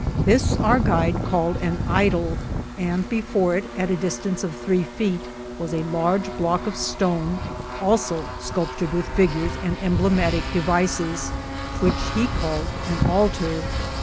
This our guide called an " Idol;" and before it, at a distcuice of three feet, was a large block of stone, also sculptured with figures and emblematical devices, which he called an altar.